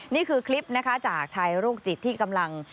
นี่คือคลิปนะคะจากชายโรคจิตที่กำลัง